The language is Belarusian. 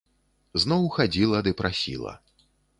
Зноў хадзіла ды прасіла.